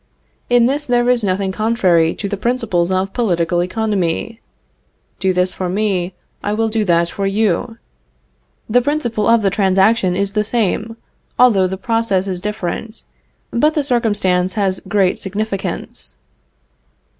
In this there is nothing contrary to the principles of political economy. Do this for me, I will do that for you. The principle of the transaction is the same, although the process is different, but the circumstance has great significance.